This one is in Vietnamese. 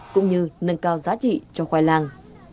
cũng như nâng cao giá trị cho khoai lang